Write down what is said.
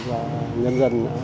cho nhân dân